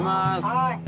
はい。